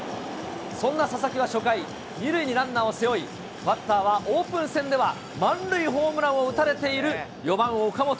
そんな佐々木が初回、２塁にランナーを背負い、バッターはオープン戦では、満塁ホームランを打たれている４番岡本。